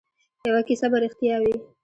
یوه کیسه به ریښتیا وي.